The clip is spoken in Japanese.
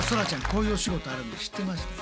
こういうお仕事あるの知ってましたか？